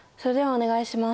お願いします。